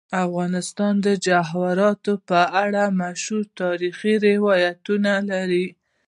افغانستان د جواهرات په اړه مشهور تاریخی روایتونه لري.